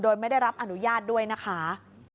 โดยไม่ได้รับอนุญาตด้วยนะคะ